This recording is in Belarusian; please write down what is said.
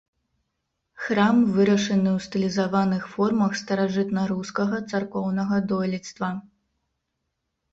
Храм вырашаны ў стылізаваных формах старажытнарускага царкоўнага дойлідства.